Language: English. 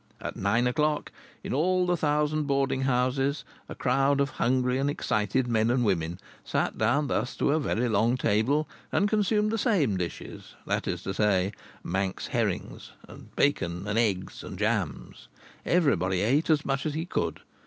At nine o'clock, in all the thousand boarding houses, a crowd of hungry and excited men and women sat down thus to a very long table, and consumed the same dishes, that is to say, Manx herrings, and bacon and eggs, and jams. Everybody ate as much as he could.